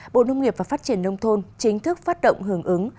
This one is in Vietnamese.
bộ nông nghiệp và phát triển nông thôn chính thức phát động hưởng ứng